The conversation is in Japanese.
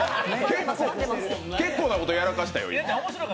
結構なことやらかしたで今。